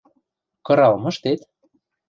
– Кырал мыштет?